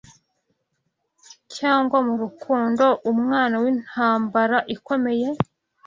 cyangwa murukundo UMWANA Wintambara ikomeye!